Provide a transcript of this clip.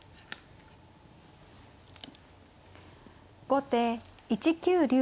後手１九竜。